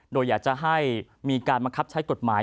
โดยอยากจะให้มีการบังคับใช้กฎหมาย